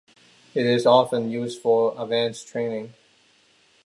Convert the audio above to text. It is often used for advanced training.